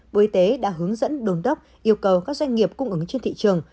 bộ y tế đã hướng dẫn đồn đốc yêu cầu các doanh nghiệp cung ứng trên thị trường